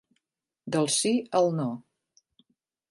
Del sí al no.